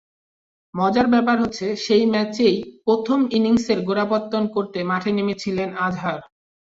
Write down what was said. মজার ব্যাপার হচ্ছে, সেই ম্যাচেই প্রথম ইনিংসের গোড়াপত্তন করতে মাঠে নেমেছিলেন আজহার।